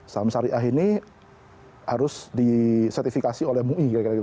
saham syariah ini harus disertifikasi oleh mui